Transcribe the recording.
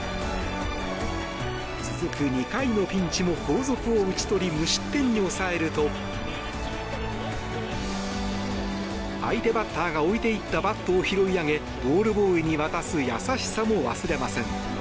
続く２回のピンチも後続を打ち取り無失点に抑えると相手バッターが置いていったバットを拾い上げボールボーイに渡す優しさも忘れません。